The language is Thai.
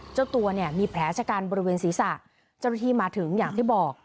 เจ้าตัวเนี่ยมีแผลชะกันบริเวณศีรษะเจ้าหน้าที่มาถึงอย่างที่บอก